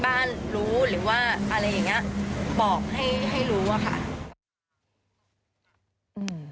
ให้ถ่ายทะเบียนกอทอไว้แล้วก็ส่งให้คนที่บ้านรู้